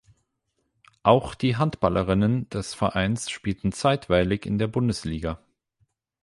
Auch die Handballerinnen des Vereins spielten zeitweilig in der Bundesliga.